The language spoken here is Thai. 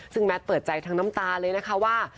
ซึ่งแมทเปิดใจทั้งน้ำตาเลยนะคะว่า